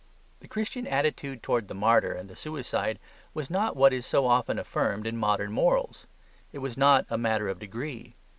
The Christian attitude to the martyr and the suicide was not what is so often affirmed in modern morals. It was not a matter of degree.